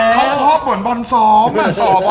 เขาบอลบร้อนปอนด์สอบ